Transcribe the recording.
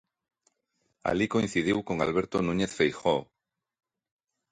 Alí coincidiu con Alberto Núñez Feijóo.